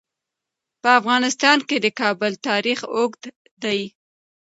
په افغانستان کې د کابل تاریخ اوږد دی.